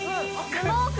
スモーク？